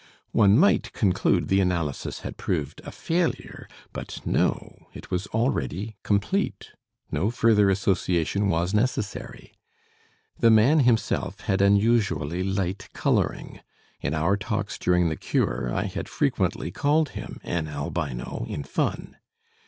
One might conclude the analysis had proved a failure; but no it was already complete; no further association was necessary. The man himself had unusually light coloring. In our talks during the cure I had frequently called him an albino in fun.